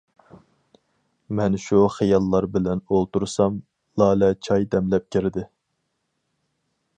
مەن شۇ خىياللار بىلەن ئولتۇرسام لالە چاي دەملەپ كىردى.